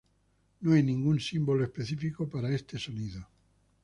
No hay ningún símbolo específico para este sonido.